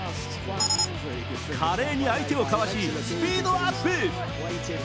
華麗に相手をかわしスピードアップ。